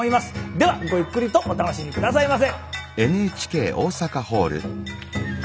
ではごゆっくりとお楽しみ下さいませ。